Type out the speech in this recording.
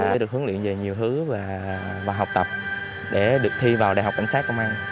rồi mình sẽ được huấn luyện về nhiều thứ và học tập để được thi vào đại học cảnh sát công an